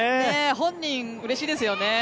本人うれしいですよね。